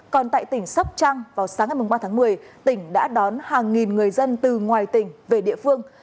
còn tại tỉnh sóc trăng vào sáng ngày ba tháng một mươi tỉnh đã đón hàng nghìn người dân từ ngoài tỉnh về địa phương